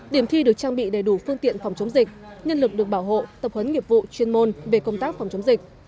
điểm thi được trang bị đầy đủ phương tiện phòng chống dịch nhân lực được bảo hộ tập huấn nghiệp vụ chuyên môn về công tác phòng chống dịch